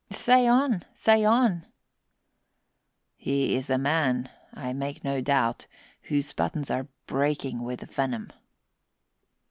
"Say on, say on!" "He is a man, I make no doubt, whose buttons are breaking with venom."